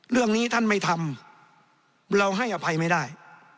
เรื่องนี้ท่านไม่ทำเราให้อภัยไม่ได้